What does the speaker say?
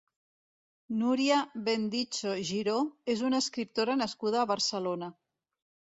Núria Bendicho Giró és una escriptora nascuda a Barcelona.